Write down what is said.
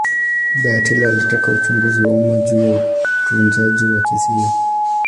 Baba ya Taylor alitaka uchunguzi wa umma juu ya utunzaji wa kesi hiyo.